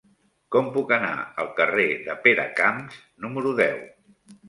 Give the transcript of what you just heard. Com puc anar al carrer de Peracamps número deu?